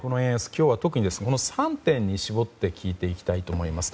今日は特に、この３点に絞って聞いていきたいと思います。